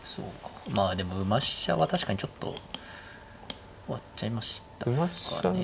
まあでも馬飛車は確かにちょっと終わっちゃいましたかね。